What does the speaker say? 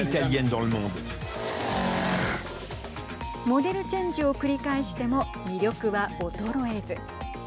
モデルチェンジを繰り返しても魅力は衰えず。